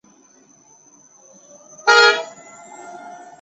简单来说